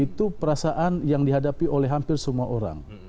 itu perasaan yang dihadapi oleh hampir semua orang